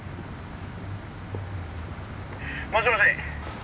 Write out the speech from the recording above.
もしもし。